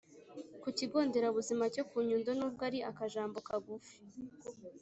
ku kigo ndera buzima cyo ku nyundo. n’ubwo ari akajambo kagufi,